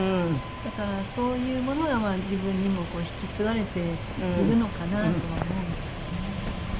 だからそういうものが自分にも引き継がれているのかなとは思うんですけどね。